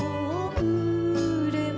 それでは。